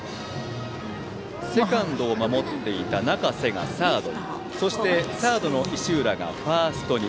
セカンドを守っていた中瀬がサードにそしてサードの石浦がファーストに。